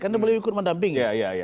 karena beliau ikut mendampingi